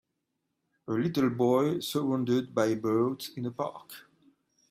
A little boy surrounded by birds in a park.